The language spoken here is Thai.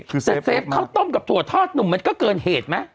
แต่เฟฟข้าวต้มกับถั่วทอดหนุ่มมันก็เกินเหตุไหม